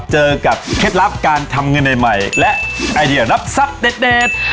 เจอกับเคล็ดลับการทำเงินใหม่และไอเดียรับทรัพย์เด็ด